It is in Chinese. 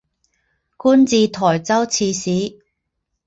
官至台州刺史。